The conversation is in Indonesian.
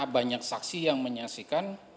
banyak saksi yang menyaksikan